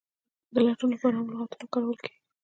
د لټون لپاره عام لغتونه کارول کیږي.